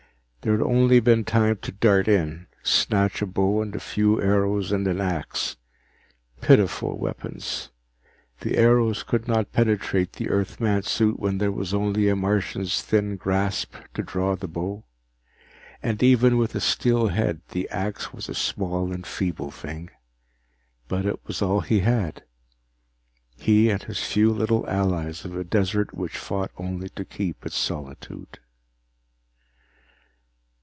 There had only been time to dart in, snatch a bow and a few arrows and an axe. Pitiful weapons the arrows could not penetrate the Earthman's suit when there was only a Martian's thin grasp to draw the bow, and even with a steel head the axe was a small and feeble thing. But it was all he had, he and his few little allies of a desert which fought only to keep its solitude.